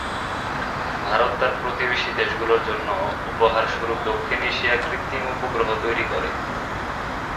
ভারত তার প্রতিবেশী দেশগুলোর জন্য "উপহার" স্বরূপ দক্ষিণ এশিয়া কৃত্রিম উপগ্রহ তৈরি করে।